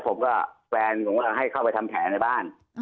ผมก็แฟนผมก็ให้เข้าไปทำแผลในบ้าน